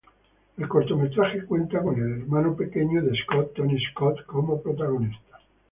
El cortometraje cuenta con el hermano pequeño de Scott, Tony Scott, como protagonista.